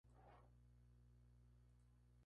Ambos trabajaron entre las ciudades de Toledo y Madrid.